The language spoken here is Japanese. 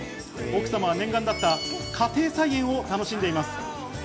奥様は念願だった家庭菜園を楽しんでいます。